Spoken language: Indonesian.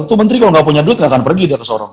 itu menteri kalau gak punya duit gak akan pergi ke sorong